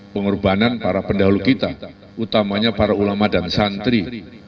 pengorbanan para pendahulu kita utamanya para ulama dan santri